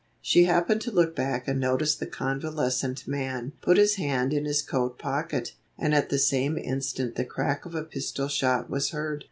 She happened to look back and noticed the convalescent man put his hand in his coat pocket, and at the same instant the crack of a pistol shot was heard.